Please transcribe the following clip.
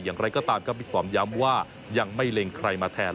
อย่างไรก็ตามครับมีความย้ำว่ายังไม่เล็งใครมาแทน